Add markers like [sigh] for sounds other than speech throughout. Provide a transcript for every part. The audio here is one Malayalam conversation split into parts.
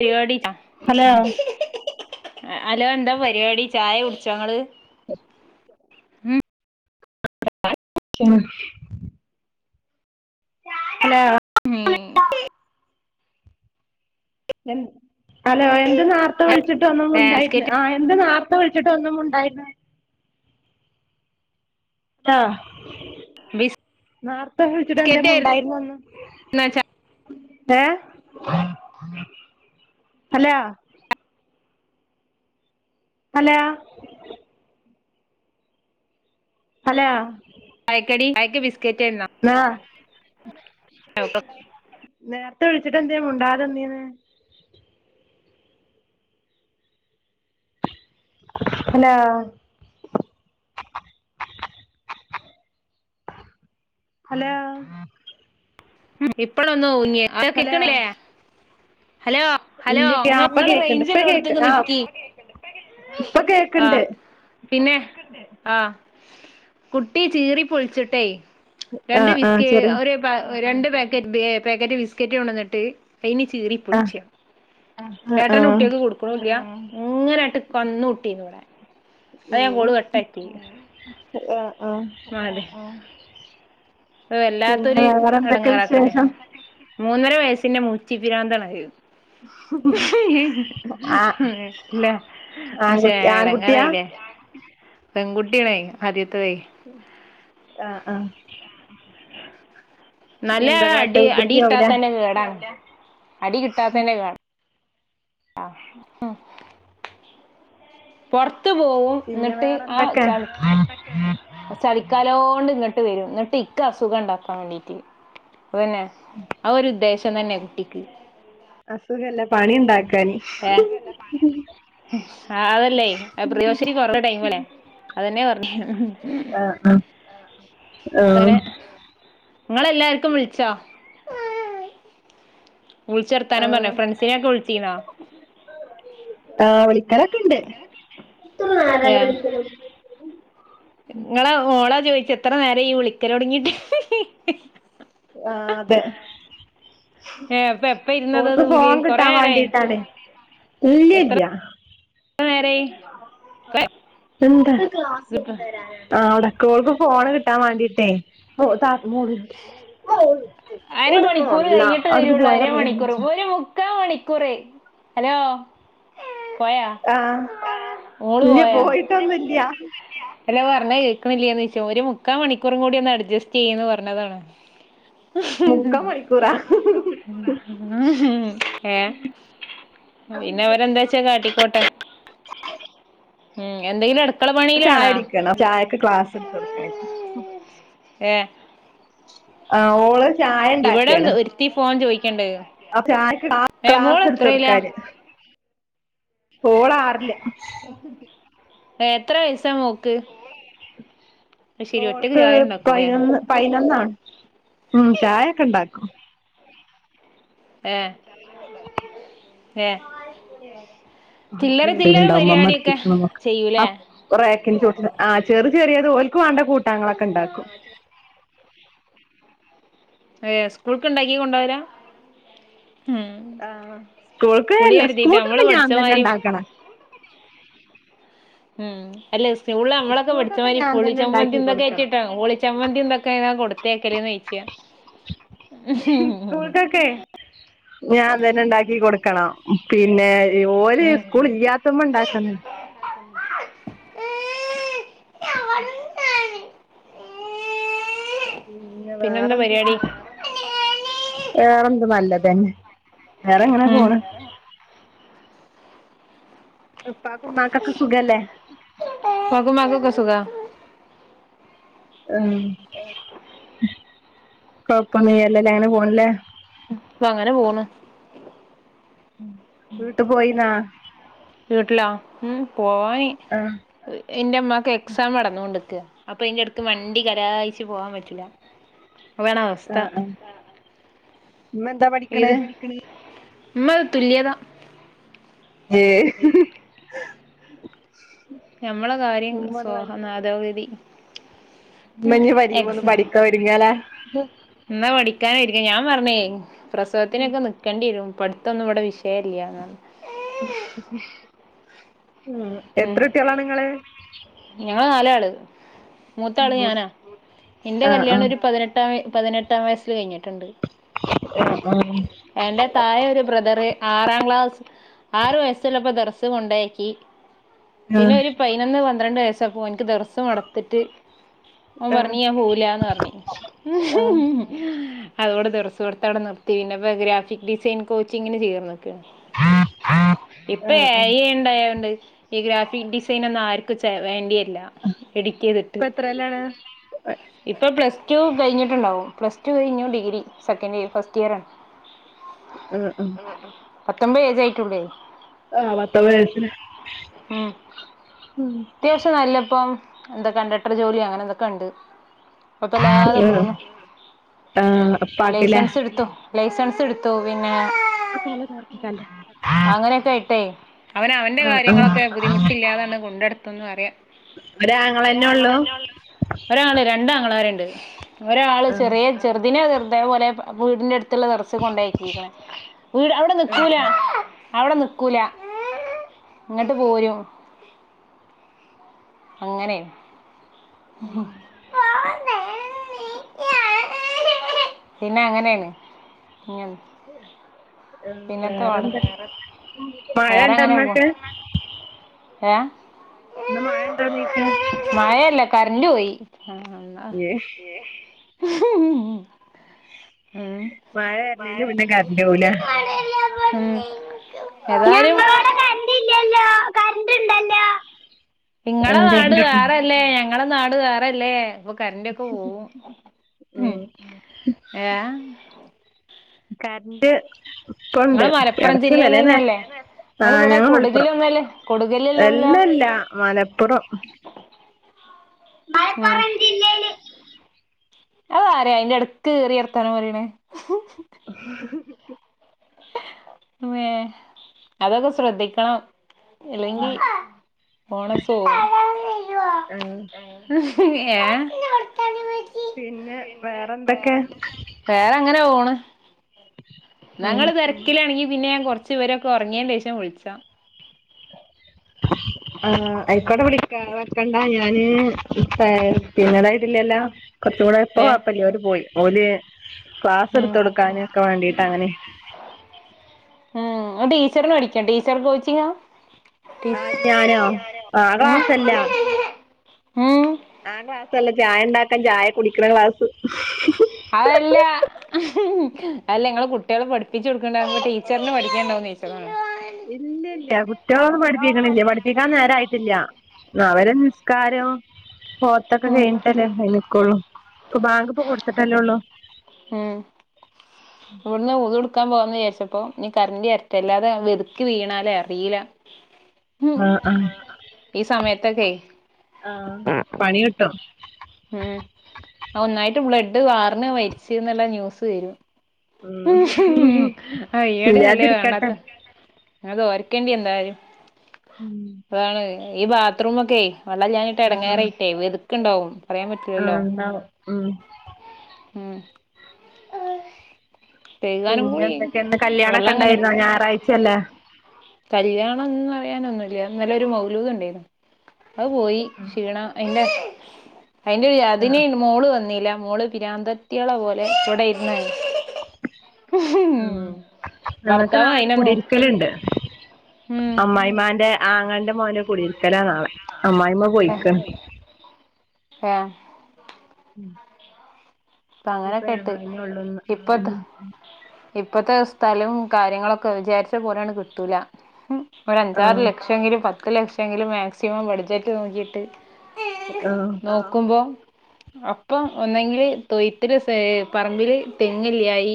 പരിപാടി ച്ചാ. ഹലോ ഹലോ എന്താ പരിപാടി ചായ കുടിച്ച ങ്ങള് [inaudible] [inaudible] ച്ചാ [unintelligible] ഹലോ ഉം ഹലോ എന്താ നാർത്തെ വിളിച്ചിട്ട് ഒന്നും മുണ്ടായിര്ന്ന് ആഹ് എന്താ നാർ വിളിച്ചിട്ട് ഒന്നും മുണ്ടായിര്ന്നെ ആഹ്. ബിസ്ക്കറ്റ് നാർത്ത വിളിച്ചിട്ട് എന്തേ ആയിരുന്നോ മുണ്ടായിര്ന്നൊന്നും ഹേ ഹലോ ഹലോ ഹലോ ച്ചായക്കടി ച്ചായക്ക് ബിസ്ക്കറ്റ് ആയിന്നു. ലാ ഏ [unintelligible] നേരത്തെ വിളിച്ചിട്ട് എന്തേ മുണ്ടാതെന്നീന്ന് ഹലോ ഹലോ ഇപ്പഴൊന്നു ഊങ്ങിയ ഇപ്പ ഹലോ കേക്കണില്ലേ ഹലോ ഹലോ ഇല്ല കേ- ആ, അ ഇപ്പൊ നിങ്ങള് കേക്കുണ്ട് ഇപ്പൊ കേക്ക് റേഞ്ച്ല്ലട്ത്തേക്ക് ആ നിക്കി ഇപ്പൊ കേക്കുണ്ട് ആഹ് പിന്നെ ആ കുട്ടി ചീറി പൊളിച്ചിട്ടേ ആ രണ്ട് ആ വിസ്ക് ചെറിയ ഒര് പ രണ്ട് പാക്കറ്റ് പാക്കറ്റ് ബിസ്ക്കറ്റ് കൊണ്ട് വന്നിട്ട് അയിന് ചീറി ആ [unintelligible] ആ ആ ഏട്ടന്റ കുട്ടികക്ക് കൊടുക്കണു ല്യ ഇങ്ങനെട്ട് കന്നൂട്ടീന്നു പറയാം അതാ ഏ, ഞാൻ കോള് കട്ടാക്കിത് ആ, ആ. അത് വല്ലാത്തൊരു പിന്നെ വേറെ എന്തൊക്കെ എടങ്ങാറാക്കല് വിശേഷം മൂന്നര വയസ്സിന്റെ മൂച്ചി പിരാന്തണത് ആ ഇല്ല മനുഷൻ ആൺകുട്ടി ആൺകുട്ടിയാ ഇടങ്ങാറായില്ലേ പെൺകുട്ടികളെ ആദ്യത്തതെ ആഹ് ആഹ് നല്ല എന്താ കാട്ട അടി അടി വികൃതി ആവൂലേ കിട്ടാതേന്റെ കേടാണ് അടി കിട്ടാതേ ന്റെ കേടാ ആഹ് [inaudible] പൊറത്തു പോവും പിന്നെ എന്നിട്ട് വേറെ ആ എന്തൊക്കെ ച ചളിക്കാലോണ്ട് ഇങ്ങിട്ട് വരും എന്നിട്ട് ക്ക് അസുഖം ഇണ്ടാക്കാൻ വേണ്ടീട്ട് അതന്നെ ആ ഒരു ഉദ്ദേശം തന്നെ കുട്ടിക്ക് അസുഖല്ല പണി ഉണ്ടാക്കാന് ഏഹ് ആഹ് അതല്ലേ പ്രിയദർശിനി [unintelligible] ടൈമല്ലെ അതന്നെ പറഞ്ഞത് അഹ് ആഹ് ആഹ് ങ്ങളെല്ലാർക്കും വിളിച്ചോ വിളിച്ച് ആഹ് വർത്താനം പറഞ്ഞ ആഹ് ഫ്രണ്ട്സിനെഒക്കെ വിളിച്ചിനോ ആ വിളിക്കലൊക്കെ ഇണ്ട് [inaudible] നിങ്ങളെ ഓളാ ചോദിച്ച എത്ര നേരം ആയി ഈ വിളിക്കല് തുടങ്ങിട്ട് ആഹ് അതെ ഏഹ് [inaudible] ഓൾക്ക് ഇതില് ഫോൺ കൊറേ കിട്ടാൻ നേരായി വേണ്ടീട്ടാണ് എത്ര ഇല്ലല്ല നേരായി ആ ഒടക്ക് ഓൾക്ക് ഫോൺ കിട്ടാൻ വാണ്ടിയിട്ടേ അവിടക്ക് പോയാ അര മണിക്കൂർ റേഞ്ച് ഒരു മുക്കാ മണിക്കൂർ ഹലോ പോയാ ആഹ് ഇല്ല പോയിട്ടൊന്നും ഇല്ല അല്ലാ പറഞ്ഞ കേക്കണില്ലന്ന് ചോദിച്ച ഒരു മുക്കാ മണിക്കൂറും കൂടി ഒന്ന് അഡ്ജസ്റ്റ് ചെയ്യന്ന് പറഞ്ഞതാണ് [inaudible] മുക്കാ മണിക്കൂറ [inaudible] ഏഹ് പിന്നെ അവരെന്താച്ചാ കാട്ടിക്കോട്ടെ ഉ എന്തെങ്കിലും എട ചായ കുടിക്കണം ചായക്ക് ഗ്ലാസ് എടുത്ത് കൊടുക്കാൻ ഏഹ് ആഹ് ഓള് ചായ ഇവിടെ ഒരുത്തി ഫോൺ ചോദിക്കണ്ട് അ ചായക്ക് ക്ലാസ് എടുത്ത് കൊടുക്കാന് ഓള് ആറില് എത്ര വയസ്സാ മോക്ക് അത് ശരി ഒറ്റക്ക് ചായ ഉണ്ടാക്കൂല്ലേ പയിനൊന്നാ ഉം ചായൊക്കെ ഉണ്ടാക്കും ഏഹ് ഏഹ് ചില്ലറ വരിക ചെയ്യൂലേ കൊറേ ആക്കിൻ ഫുട്ടിന് ആഹ് ചെറ് ചെറിയത് ഓൽക്കു വാണ്ട കൂട്ടാങ്ങളൊക്കെ ഇണ്ടാക്കും ഏഹ് സ്കൂൾക്ക് ഇണ്ടാക്കി കൊണ്ടോയതാ ഉം ആഹ് സ്കൂൾക്ക് പുളി അല്ല നമ്മള് സ്കൂൾക്കൊക്കെ പഠി ഞാൻ തന്നെ ഇണ്ടാക്കണെ ഇം അല്ല സ്കൂൾല് സ്കൂൾക്കൊക്കെ നമ്മളക്കെപഠിച്ചമാതിരി ഞാൻ പുളി തന്നെ ഉണ്ടാക്കി ചമ്മന്തിന്തൊക്കെ കൊടുക്കണം [unintelligible] പുളിച്ചമ്മന്തിന്തൊക്കെ കൊടുത്തയക്കല്ന്ന് ചോയ്ച്യാ മ്ഹ് മ് സ്കൂൾക്കൊക്കെ ഞാൻ തന്നെ ഇണ്ടാക്കി കൊടുക്കണം. പിന്നെ ഓല് സ്കൂൾ ഇല്യാത്തപ്പ ഇണ്ടാക്കുന്നു ഏ [unintelligible] പിന്നെ വേറെന്തൊക്കെയാ വേറെന്ത്‌ നല്ലതന്നെ വേറെങ്ങനെ ഉം പോണ് ഉപ്പാക്കും ഉമ്മാക്കൊക്കെ സുഖല്ലേ ഉപ്പാക്കു ഉമ്മാക്കു ഒക്കെ സുഖാ ആഹ് കൊഴപ്പൊന്ന്ല്ലല്ലേ അങ്ങനെ പോണില്ലേ പ്പങ്ങനെ പോണ് ഉം വീട്ട് പോയിന്നാ വീട്ടിലാ ഇം പോവാനി ആഹ് എന്റെ അമ്മാക്ക് എക്സാം നടന്നോണ്ടിക്കാ അപ്പൊ അതിന്റെ എടക്ക് വണ്ടി കലായിച്ചു പോവാൻ പറ്റൂല്ല അതാണവസ്ഥ ഇമ്മെന്താ പഠിക്കണ് മ്മത് തുല്യതാ ഏഹ് ഞമ്മളെ കാര്യം സ്വാഹ ന്നതോഗതി ഇമ്മഞ്ഞി പരി പോന്ന് പഠിക്കാൻ ഒരുങ്ങിയാലാ ഉമ്മ പഠിക്കാനൊരുങ്ങി ഞാൻ പറഞ്ഞേ പ്രസവത്തിനൊക്കെ നി ക്കണ്ടി വരും പഠിത്തൊന്നും ഇവിടെ വിഷയല്ല്യാന്നാണ് ഉം എത്രുട്ട്യളാ നിങ്ങള് ഞങ്ങള് നാലാള് മൂത്ത ആള് ഞാനാ എന്റെ ആ ആ കല്യാണം ഒരു പതിനെ എട്ടാം പതിനെട്ടാം വയസ്സിൽ കഴിഞ്ഞിട്ടുണ്ട് ആഹ് അം എന്റെ തായെ ഒരു ബ്രദറ് ആറാം ക്ലാസ് ആറു വയസ്സുള്ളപ്പോ ദർസ് കൊണ്ടെയാക്കി പിന്നെ ആഹ് ഒരു പയ്നൊന്ന് പന്ത്രണ്ട് വയസ്സായപ്പോ ഓനിക്ക് ദർസ് മടുത്തിട്ട് ഓൻ ആഹ് പറഞ്ഞി ഞാൻ പോകൂലാന്ന് പറഞ്ഞി ആഹ് അതോടെ ദർസ് പടുത്തം അവടെനിർത്തി പിന്നെപ്പ ഗ്രാഫിക് ഡിസൈൻ കോച്ചിങ്ങിന് ചേർന്ന്ക്കേണ് ഇപ്പൊ ആഹ് ഏ ആഹ് ഐ ഇണ്ടായൊണ്ട് ഈ ഗ്രാഫിക് ഡിസൈൻ ഒന്നും ആർ ക് ചെ വേണ്ടിയരില്ല എഡിറ്റിയെതിട്ട് ഇപ്പൊ എത്രല്ലാണ് ഇപ്പൊ പ്ലസ് ടു കഴിഞ്ഞിട്ടുണ്ടാവും പ്ലസ് ടു കഴിഞ്ഞു degree second year first year ആണ്. [inaudible] ആഹ് അഹ് പത്തൊമ്പത് ഏജായിട്ടുള്ളേയ് ആഹ് പതോമ്പയസ്ലെ ഉം മ് അത്യാവശ്യം നല്ലപ്പം എന്താ കണ്ടക്ടർ ജോലി അങ്ങനെന്തൊക്കെ എണ്ട് കൊഴപ്പില്ലാതെ ആഹ് പോന്നു ആഹ് ഉപ്പാക്കില്ലേ ലൈസൻസ് ഇടുത്തു. ലൈസൻസ് ഇടുത്തു പിന്നെ അങ്ങനൊക്കെ ആയ്ട്ടേ അവൻ അവന്റെ ആഹ് ആഹ് കാര്യങ്ങളൊക്കെ ബുദ്ധിമുട്ടില്ലാതാണ് കൊണ്ടെടുക്കന്ന് അറിയാം ഒരാങ്ങളന്നെ ഒള്ളു ഒരാള് രണ്ടാങ്ങളമാരുണ്ട് ഒരാള് ആഹ് ചെറിയ ചെറുദിനെ ചെറുതേ പോലെ വീടിന്റെ അടുത്തുള്ള [unintelligible] ച്ച് കൊണ്ടക്കിക്ക്ണ് അവിടെ ആഹ് നിക്കൂലാ അവിടെ നിക്കൂല ഇങ്ങട്ട് പോരും. അങ്ങനെ ഹ് ഹ് പിന്നെ അങ്ങനെന്നെ വേറെന്താ മഴ വേറെങ്ങനെ ഉണ്ടൊന്നട്ട്? ഏ ഇന്ന് മഴണ്ടോ ചോയ്ക്കാ മഴയല്ലെ കറന്റ പോയി. ഏഹ് മ് മഴ വര്ണെയ്ൻ്റെ മുന്നെ കറണ്ട് പോവുലെ ഉം ഏതായലും ണ്ടില്ലല്ലോ കരണ്ട്ണ്ടല്ലോ നിങ്ങളെ നാട് വേറെല്ലേ. ഞങ്ങളെ നാട് വേറെല്ലേ. അപ്പൊ കറൻ്റൊക്കെ പോവും. ഉം ഏ കറൻ്റ് ഇപ്പംണ്ട് ഇങ്ങള് മലപ്പുറം എടക്ക് ചെലേനേ ജില്ലയിലെന്നെല്ലേ ഇങ്ങള് ആഹ് ഇവിടെ ഞൻ മലപ്പുറം. കൊടുകന്നല്ലേ കൊടുകല്ലല്ലല്ലോ എല്ലല്ല മലപ്പുറം. ഉം മലപ്പുറം ജില്ലയില് അത് ആരാ അയിന്റെ എടക്ക് കയറി വർത്താനം പറയ്ണെ ഹ് ഹ് ഹ വേ അതൊക്കെ സ്രദ്ധിക്കണം. ഉം. ഇല്ലെങ്കിൽ പോണസോ ആ, ഏഹ് പിന്നെ വേറെന്തൊക്കെ? വേറെങ്ങനെ പോണ്. [unintelligible] ന്നാ ങ്ങള് തിരക്കിലാണെങ്കി പിന്നെ കുറച്ച് ഇവരൊക്കെ ഉറങ്ങിയേൻ്റെഷം വിളിച്ചാം. [unintelligible] ആ് ആയിക്കോടെ വിളിക്കാ വെക്കണ്ട ഞാന് ത്താ പിന്നതായിട്ടില്ലല്ലോ. കുറച്ച് കൂടെ ഇപ്പോ കൊഴപ്പല്ല്യ ഓര് പോയി ഓല് ക്ലാസ് ഉം എടുത്ത് കൊടുക്കാനും ഒക്കെ വേണ്ടീട്ട് അങ്ങനെ ഉം ഇങ്ങൾ ടീച്ചറിന് പടിക്കാ ടീച്ചർ കോച്ചിങ്ങാ? ആ ഞാനോ ആ ഉം ക്ലാസ്സല്ല. ഉം ആ ക്ലാസല്ല ചായ ഉണ്ടാക്കാൻ ചായ കുടിക്കണ ക്ലാസ് അതല്ല. അല്ല ഇങ്ങള് കുട്ടികളെ പഠിപ്പിച്ച് കൊടുക്കണ്ടാവുമ്പോ ടീച്ചറിന് പഠിക്കാൻണ്ടാവോന്ന് ചോയ്ച്ചതാണ്. ഇല്ലി ഇല്ല്യാ കു കുട്ട്യാളൊന്നും പഠിപ്പിക്ക്ണില്ല പഠിപ്പിക്കാൻ നേരയിട്ടില്ല. ആ അവരെ നിസ്കാരം ഓത്തൊക്കെ കഴിഞ്ഞിട്ടല്ലേ അയ്ന് നിക്കൊള്ളൂ ഇപ്പൊ ബാങ്ക് ഇപ്പോ കൊടുത്തിട്ടല്ലേ ഒള്ളു. ഉം ഇവിടുന്ന് വുളുട്ക്കാ പോകന്ന് വിചാരിച്ചപ്പോ ഇനി കറൻ്റ വരട്ടെ അല്ലാതെ വതുക്കി വീണാലേ അറീല ആ ആ ഈ സമയത്തൊക്കെ ആ പണി കിട്ടും ഉം ഒന്നായിട്ട് ബ്ലഡ് വാർന്ന് മരിച്ച്ന്ന്ള്ള ന്യൂസ് വരും. ഉം ആയ്നാട്ടി നല്ലേ ഇല്ലാതിരിക്കട്ടെ വേണ്ടാത്ത ആ ദോര്ക്കേണ്ടി എന്നന്തായലും ഉം. അതാണ് ഈ ബാത്ത്റൂമൊക്കെ വെള്ളലാഞ്ഞിട്ട് ആ എടങ്ങേറായിട്ടേ വെത്ക്ക്ണ്ടാവും പറയാൻ ആ പറ്റൂല്ലല്ലോ. ഉണ്ടാവും ഉം. ഉം കഴുകാനും പിന്നെ കൂടി എന്തൊക്കെണ്ട്. കല്യാണം ഒക്കെ വെള്ളം അങ്ങനെ ഉണ്ടായിരുന്നോ ഞായറാഴ്ച്ചല്ലേ. കല്യാണംന്ന് പറയാനൊന്നുമില്ല. ഇന്നല്ലൊരു മൗലൂദ്ണ്ടേയിര്ന്നു അത് പോയി ക്ഷീണം. അയിൻ്റെ അയിന്റെ ഉം. അതിന് മോള് വന്നില്ല. മോള് പിരാന്തത്തിയളെ പോലെ ഇവിടെ ഇരുന്ന് ഭർത്താവ് [unintelligible] [unintelligible] ലുണ്ട് ഉം അമ്മായിമാന്റെ ആങ്ങൾന്റെ മോന്റെ കുടിയിരിക്കലാ നാളെ അമ്മായിമ്മ എഹ് പോയിക്കാണ് ഏഹ് ഉം പ അങ്ങനെ കെട്ട് ഉള്ളൂന്ന് ഇപ്പോത്ത ഉം ഇപ്പത്തെ സ്ഥലോം കാര്യങ്ങളൊക്കെ വിചാരിച്ച പോലെയാണ് കിട്ടൂല മ് ഒരു ആഹ് അഞ്ചാറ്ലക് പക്ഷേങ്കില് പത്ത് ലക്ഷേങ്കിലും മാക്സിമം ബഡ്ജറ്റ് നോക്കിയിട്ട് [unintelligible] ആഹ് നോക്കുമ്പോ അപ്പം ഒന്നെങ്കില് തൊയ്ത്തില് പേ പറമ്പില് തെങ്ങില്ലയ്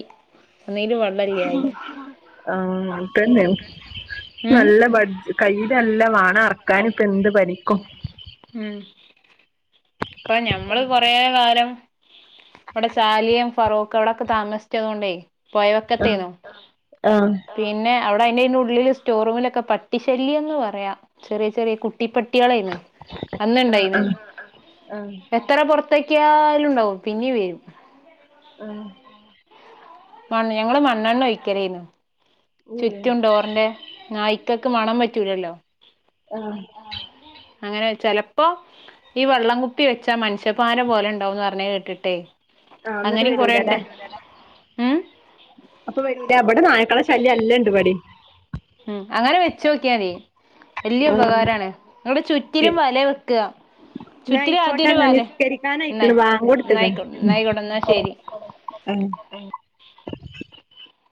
ഒന്നീല് വ ഹ് ആൻതെന്നെണ് ഉം നല്ല ബഡ്ജ് കയ്യിലല്ല വാണ അർക്കാനിപ്പെന്ത് പനിക്കും ഉം പ്പ ഞമ്മള് കൊറേ കാലം ഇവടെ ചാലിയം ഫറോഖ് അവിടൊക്കെ താമസിച്ചത് കൊണ്ടേയി ആഹ് പൊയവെക്കത്തേനു ആഹ് പിന്നെ അവിടെ അയിന്റയിൻ്റുള്ളില് സ്റ്റോറൂമിലൊക്കെ പട്ടിശല്ല്യന്ന് പറയാ ചെറിയ ചെറിയ കുട്ടിപ്പട്ടികളേര്ന്ന് ആഹ് ആഹ് ആഹ് എത്ര പുറത്താക്യാലുണ്ടാവും പിന്നീ വരുന്ന് ആഹ് മണ് ഞങ്ങള് മണ്ണെണ്ണ ഒഴിക്കലേനു ഏഹ് ചുറ്റും ഡോറിന്റെ നായ് കക്ക് മണം പറ്റൂലല്ലോ ആഹ് അങ്ങനെ ചെലപ്പോ ഈ വള്ളം കുപ്പി വെച്ചാ മനുഷ്യപാര പോലെ ഇണ്ടാവുന്ന് പറഞ്ഞെ കേട്ടിട്ടേ ആഹ് എന്നിട്ട് അങ്ങനെയും കൊറേട്ടെ വരൂലല്ലേ ഉം അപ്പൊ വെന്റ ബടെ നായ്ക്കള ശല്യല്ലല്ലണ്ടിപട്യം ഉമ് അങ്ങനെ വെച്ചോക്കിയാതി വല്യ ആഹ് ഉപകാരാണ് നിങ്ങള് ചുറ്റിലും വല വെക്ക ന്നായ്ക്കോട്ടെ ന്ന നിസ്ക്കരിക്കാനായിക്ക്ണ്‌ വാങ്ക് കൊടുത്ത്ക്ക്ണ് എന്നായിക്കോട്ടെ എന്നാ ഉം ശരി ഉം